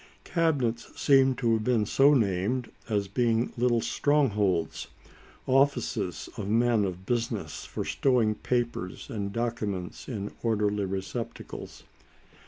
Cabinets seem to have been so named as being little strongholds "offices" of men of business for stowing papers and documents in orderly receptacles.